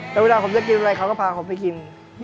แต่เวลาผมจะกินอะไรเขาก็พาผมไปกิน